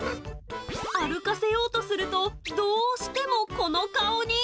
歩かせようとすると、どうしてもこの顔に。